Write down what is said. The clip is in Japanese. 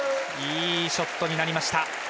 いいショットになりました。